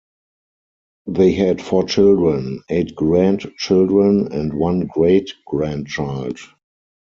They had four children, eight grandchildren, and one great grandchild.